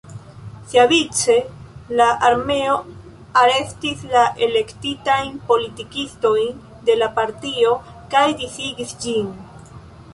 Siavice, la armeo arestis la elektitajn politikistojn de la partio kaj disigis ĝin.